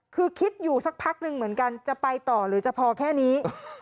คือคิดอยู่สักพักหนึ่งเหมือนกันจะไปต่อหรือจะพอแค่นี้